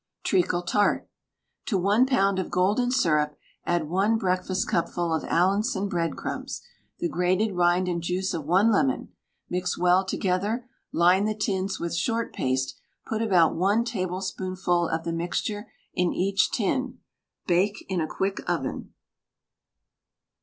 TREACLE TART. To 1 lb. of golden syrup add 1 breakfastcupful of Allinson breadcrumbs, the grated rind and juice of 1 lemon. Mix well together. Line the tins with short paste. Put about 1 tablespoonful of the mixture in each tin; bake in a quick oven.